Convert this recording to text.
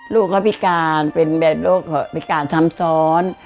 ลูกเขาพิการเป็นแบบโรคพิการซ้ำซ้อน